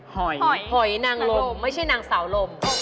หอยนางลมไม่ใช่นางสาวลม